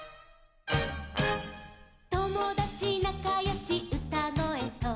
「ともだちなかよしうたごえと」